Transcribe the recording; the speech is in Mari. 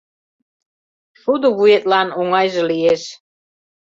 Шудо вуетлан оҥайже лиеш.